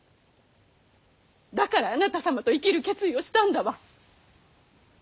だからあなた様と生きる決意をしたんだわ。